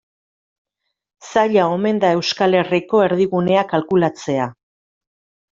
Zaila omen da Euskal Herriko erdigunea kalkulatzea.